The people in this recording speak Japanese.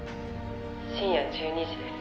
「深夜１２時です」